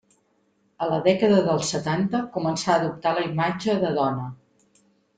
A la dècada dels setanta començà a adoptar la imatge de dona.